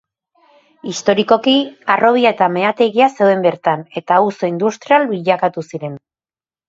Historikoki harrobia eta mehategia zeuden bertan eta auzo industrial bilakatu ziren.